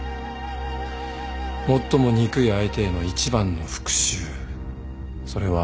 最も憎い相手への一番の復讐それは。